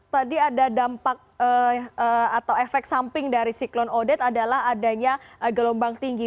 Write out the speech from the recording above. tadi ada dampak atau efek samping dari siklon odet adalah adanya gelombang tinggi